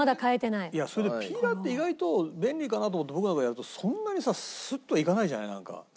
いやそれでピーラーって意外と便利かなと思って僕なんかがやるとそんなにさスッとはいかないじゃないなんか。